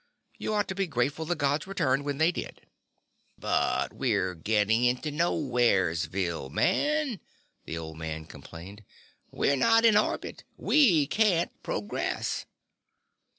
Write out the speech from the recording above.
You ought to be grateful the Gods returned when they did." "But we're getting into Nowheresville, man," the old man complained. "We're not in orbit. We can't progress."